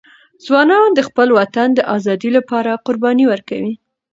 ځوانان د خپل وطن د ازادۍ لپاره قرباني ورکوي.